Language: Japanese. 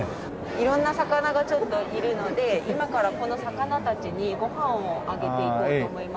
色んな魚がちょっといるので今からこの魚たちにご飯をあげていこうと思いますので。